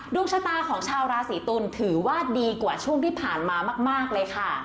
ดวงชะตาของชาวราศีตุลถือว่าดีกว่าช่วงที่ผ่านมามากเลยค่ะ